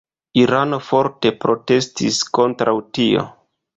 Irano forte protestis kontraŭ tio.